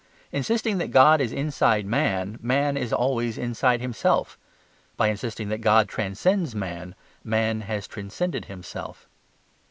Insisting that God is inside man, man is always inside himself. By insisting that God transcends man, man has transcended himself.